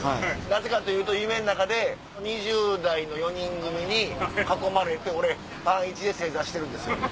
なぜかというと夢の中で２０代の４人組に囲まれて俺パンイチで正座してるんです。